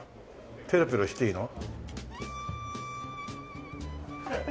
ペロペロしていいの？